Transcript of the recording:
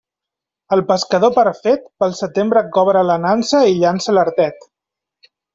El pescador perfet, pel setembre cobra a la nansa i llança l'artet.